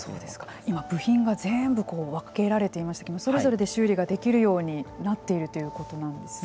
今、部品が全部分けられていましたけれどもそれぞれで修理ができるようになっているということなんですね。